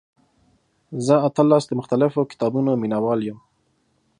زه اتلس د مختلفو کتابونو مینوال یم.